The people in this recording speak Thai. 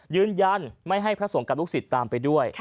ยืนยันไม่ให้พระสงฆ์กับลูกศิษย์ตามไปด้วย